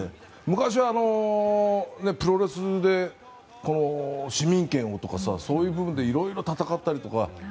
昔はプロレスで市民権をとかそういう部分でいろいろ戦ったりとか。